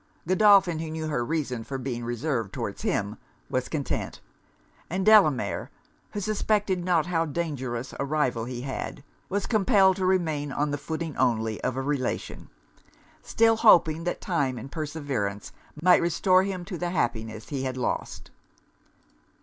Godolphin, who knew her reason for being reserved towards him, was content; and Delamere, who suspected not how dangerous a rival he had, was compelled to remain on the footing only of a relation; still hoping that time and perseverance might restore him to the happiness he had lost.